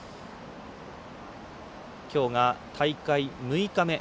きょうが大会６日目。